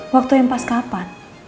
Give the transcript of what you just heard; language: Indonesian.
waktu yang pas kapan